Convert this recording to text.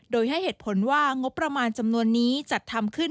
โดยให้เหตุผลว่างบประมาณจำนวนนี้จัดทำขึ้น